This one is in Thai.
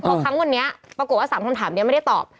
พอครั้งวันนี้ปรากฏว่า๓คำถามนี้ไม่ได้ตอบ